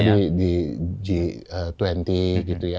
di g dua puluh gitu ya